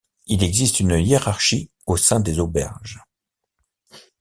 Il existe une hiérarchie au sein des auberges.